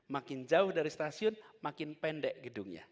makin jauh dari stasiun makin pendek gedungnya